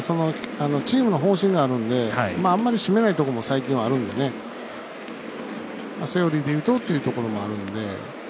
チームの方針があるんであんまり締めないところも最近はあるんでセオリーで言うとというところがあるんで。